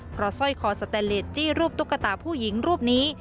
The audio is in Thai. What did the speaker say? เพราะสร้อยคอสแตนเลสจี้รูปตุ๊กตาผู้หญิงรูปนี้